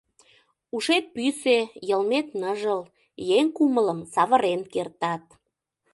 Ушет пӱсӧ, йылмет ныжыл, еҥ кумылым савырен кертат.